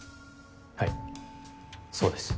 はいそうです。